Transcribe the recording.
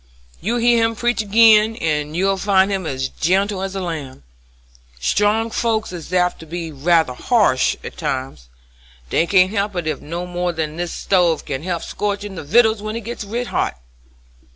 You hear him preach agin and you'll find him as gentle as a lamb. Strong folks is apt to be ruther ha'sh at times; they can't help it no more than this stove can help scorchin' the vittles when it gits red hot.